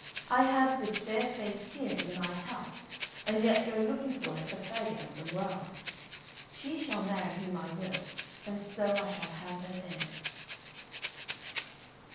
I have this fair face here in my house, and yet go looking for it at the fag end of the world. She shall marry whom I will, and so I shall have an heir."